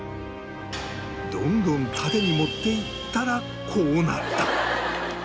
どんどん縦に盛っていったらこうなった。